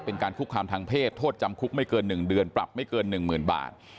เป็นการคุกคามทางเพศโทษจำคุกไม่เกิน๑เดือนปรับไม่เกิน๑๐๐๐บาท